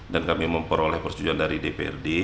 dan kami memperoleh persetujuan dari dprd